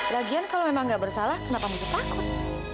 lagian kalau memang nggak bersalah kenapa mesti takut